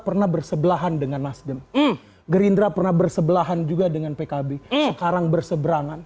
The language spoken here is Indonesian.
pernah bersebelahan dengan nasdem gerindra pernah bersebelahan juga dengan pkb sekarang berseberangan